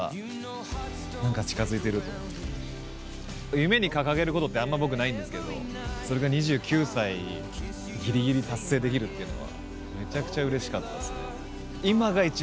夢に掲げることってあんま僕ないんですけどそれが２９歳ギリギリ達成できるっていうのはめちゃくちゃうれしかったっすね。